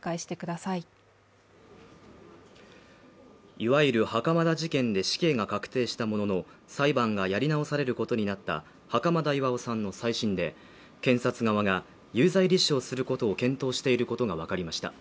いわゆる袴田事件で死刑が確定したものの、裁判がやり直されることになった袴田巌さんの再審で検察側が有罪立証することを検討していることがわかりました。